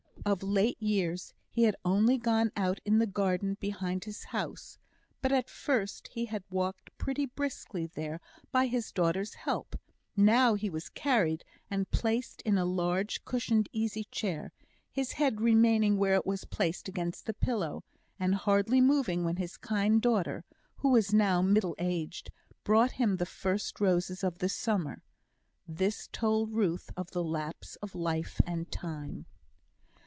Of late years he had only gone out in the garden behind his house; but at first he had walked pretty briskly there by his daughter's help now he was carried, and placed in a large, cushioned easy chair, his head remaining where it was placed against the pillow, and hardly moving when his kind daughter, who was now middle aged, brought him the first roses of the summer. This told Ruth of the lapse of life and time.